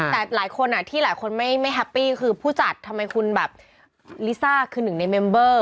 แต่หลายคนที่หลายคนไม่แฮปปี้คือผู้จัดทำไมคุณแบบลิซ่าคือหนึ่งในเมมเบอร์